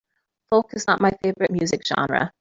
Folk is not my favorite music genre.